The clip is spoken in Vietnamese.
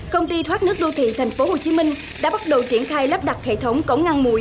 công ty thoát nước đô thị thành phố hồ chí minh đã bắt đầu triển khai lắp đặt hệ thống cổng ngăn mùi